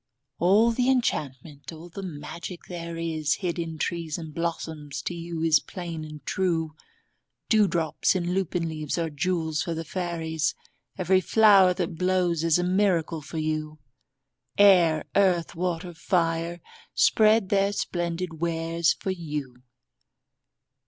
All the enchantment, all the magic there is Hid in trees and blossoms, to you is plain and true. Dewdrops in lupin leaves are jewels for the fairies; Every flower that blows is a miracle for you. Air, earth, water, fire, spread their splendid wares for you.